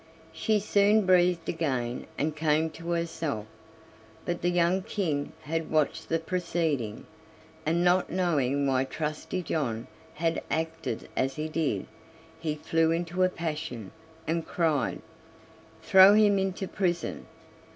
She soon breathed again and came to herself; but the young King had watched the proceeding, and not knowing why Trusty John had acted as he did, he flew into a passion, and cried: "Throw him into prison."